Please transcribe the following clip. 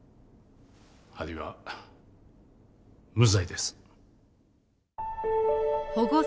アリは無罪です。